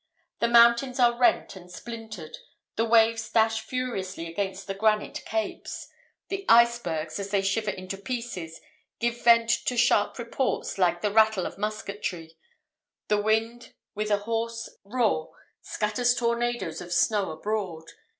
The mountains are rent and splintered; the waves dash furiously against the granite capes; the icebergs, as they shiver into pieces, give vent to sharp reports like the rattle of musketry; the wind with a hoarse roar, scatters tornadoes of snow abroad....